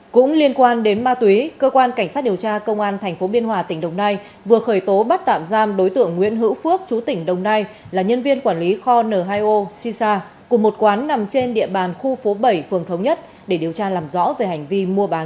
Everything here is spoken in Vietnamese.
cũng liên quan đến ma túy cơ quan cảnh sát điều tra công an tp biên hòa tỉnh đồng nai vừa khởi tố bắt tạm giam đối tượng nguyễn hữu phước chú tỉnh đồng nai là nhân viên quản lý kho n hai o shisha cùng một quán nằm trên địa bàn khu phố bảy phường thống nhất để điều tra làm rõ về hành vi